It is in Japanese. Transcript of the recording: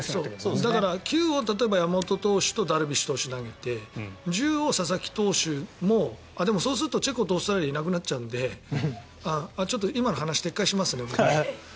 だから９をダルビッシュと大谷選手が投げて１０を佐々木投手もでもそうするとチェコとオーストラリアでいなくなっちゃうのでちょっと今の話、撤回します。